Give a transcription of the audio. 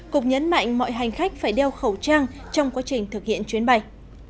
cục nhấn mạnh mọi hành khách phải đeo khẩu trang trong quá trình thực hiện chuyến bay